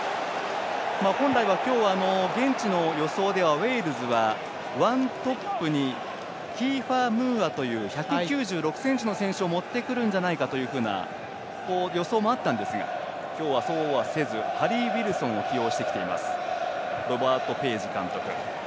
本来は、今日現地の予想ではウェールズはワントップにキーファー・ムーアという１９６ｃｍの選手をもってくるんじゃないかという予想もあったんですが今日は、そうはせずハリー・ウィルソンを起用。